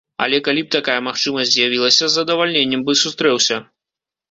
Але калі б такая магчымасць з'явілася, з задавальненнем бы сустрэўся.